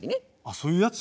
そういうやつ？